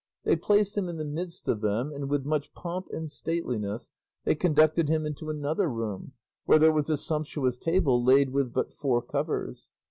They placed him in the midst of them, and with much pomp and stateliness they conducted him into another room, where there was a sumptuous table laid with but four covers.